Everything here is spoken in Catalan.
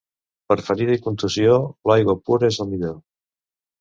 Per ferida i contusió, l'aigua pura és el millor.